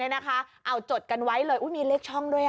เอาจดกันไว้เลยมีเลขช่องด้วย